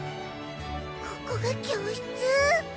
ここが教室！？